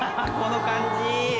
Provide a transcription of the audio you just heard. この感じ。